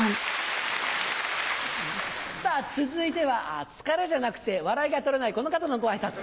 さぁ続いては疲れじゃなくて笑いが取れないこの方のご挨拶。